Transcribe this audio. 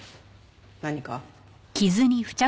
何か？